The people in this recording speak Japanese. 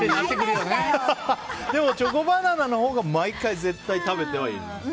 でもチョコバナナのほうが毎回食べてる。